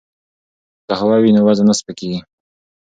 که قوه وي نو وزن نه سپکیږي.